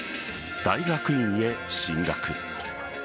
大学院へ進学。